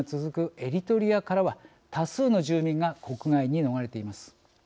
エリトリアからは多数の住民が国外に逃れています。